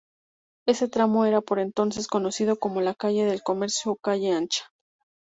Ese tramo era por entonces conocido como la "calle del Comercio" o "calle Ancha".